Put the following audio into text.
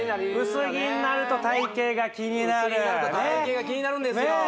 薄着になると体形が気になる薄着になると体形が気になるんですよね